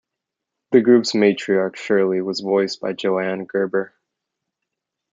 The group's matriarch Shirley was voiced by Joan Gerber.